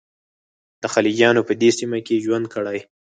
د خلجیانو په دې سیمه کې ژوند کړی.